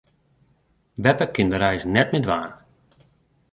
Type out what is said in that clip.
Beppe kin de reis net mear dwaan.